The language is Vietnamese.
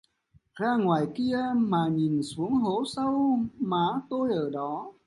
Ra ngoài kia mà nhìn xuống hố sâu má tôi ở đó